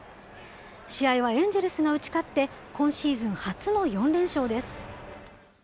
試合はエンジェルスが打ち勝って、今シーズン初の４連勝です。